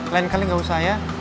lain kali gak usah ya